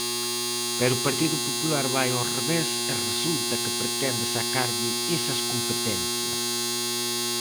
Pero o Partido Popular vai ao revés e resulta que pretende sacarlle esas competencias.